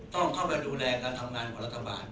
ต้องเข้าไปดูแลการทำงานของรัฐบาล